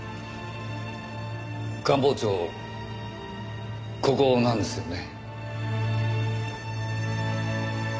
官房長ここなんですよね？